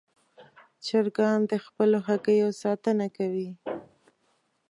چرګان د خپلو هګیو ساتنه کوي.